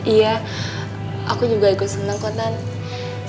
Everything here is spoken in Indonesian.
iya aku juga juga seneng kok tante